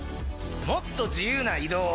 もっと自由な移動を。